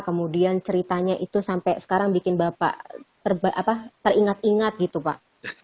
kemudian ceritanya itu sampai sekarang bikin bapak teringat ingat gitu pak